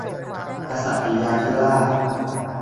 กษัตริยาธิราช